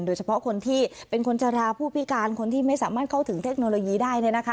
โดยเฉพาะคนที่เป็นคนจราผู้พิการคนที่ไม่สามารถเข้าถึงเทคโนโลยีได้